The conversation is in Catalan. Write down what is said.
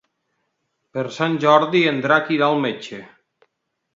Per Sant Jordi en Drac irà al metge.